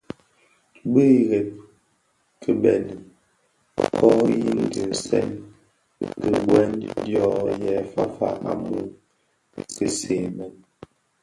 Bi ireb kibeňi kō yin di nsèň khibuen dyō yè fafa a mum kisee mèn.